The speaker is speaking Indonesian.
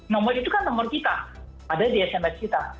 nomor itu kan nomor kita ada di sms kita